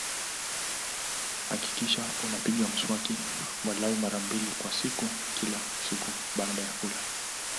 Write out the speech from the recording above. Hakikisha unapiga mswaki walau mara mbili kwa siku kila siku baada ya kula